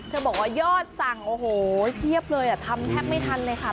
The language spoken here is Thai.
บอกว่ายอดสั่งโอ้โหเพียบเลยทำแทบไม่ทันเลยค่ะ